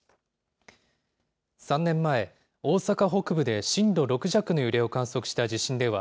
３年前、大阪北部で震度６弱の揺れを観測した地震では、